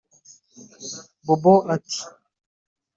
Bobo ati